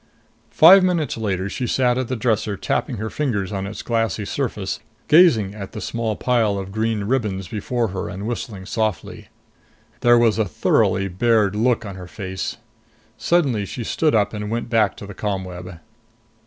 Five minutes later, she sat at the dresser, tapping her fingers on its glassy surface, gazing at the small pile of green ribbons before her and whistling softly. There was a thoroughly bared look on her face. Suddenly she stood up and went back to the ComWeb.